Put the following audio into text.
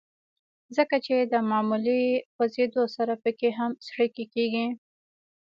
ځکه چې د معمولي خوزېدو سره پکښې هم څړيکې کيږي